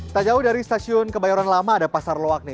tak jauh dari stasiun kebayoran lama ada pasar loak nih